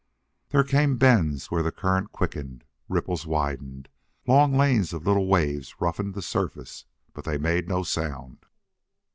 There came bends where the current quickened, ripples widened, long lanes of little waves roughened the surface, but they made no sound.